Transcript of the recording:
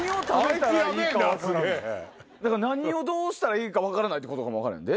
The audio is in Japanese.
何をどうしたらいいか分からないってことかも分からへんで。